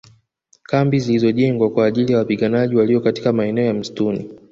Kambi zilizojengwa kwa ajili ya wapiganaji walio katika maeneo ya msituni